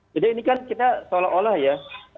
jadi ini kan kita seolah olah ya